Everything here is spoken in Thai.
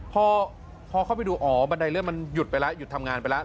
พอเข้าไปดูอ๋อบันไดเลื่อนมันหยุดไปแล้วหยุดทำงานไปแล้ว